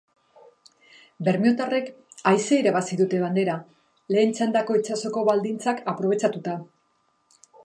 Bermeotarrek aise irabazi dute bandera, lehen txandako itsasoko baldintzak aprobetxatuta.